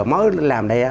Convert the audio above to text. mới làm đây